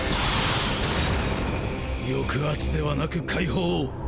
抑圧ではなく解放を！